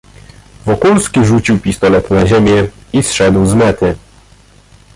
"Wokulski rzucił pistolet na ziemię i zeszedł z mety."